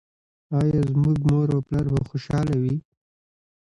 ایا زما مور او پلار به خوشحاله وي؟